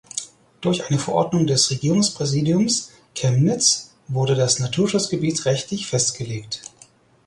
Durch eine Verordnung des Regierungspräsidiums Chemnitz wurde das Naturschutzgebiet rechtlich festgelegt.